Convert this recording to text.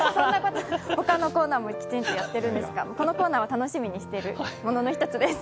他のコーナーもきちんとやっているんですがこのコーナーは楽しみにしているものの一つです。